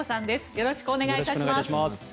よろしくお願いします。